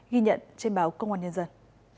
ghi nhận trên báo công an nhân dân